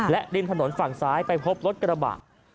และริมถนนฝั่งซ้ายไปพบรถกระบะ